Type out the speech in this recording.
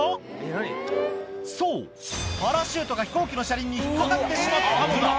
そう、パラシュートが飛行機の車輪に引っ掛かってしまったのだ。